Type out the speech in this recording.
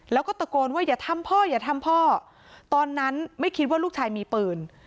แล้วก็ตะโกนว่าอย่าทำพ่ออย่าทำพ่อตอนนั้นไม่คิดว่าลูกชายมีปืน